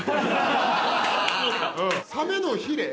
サメのヒレ？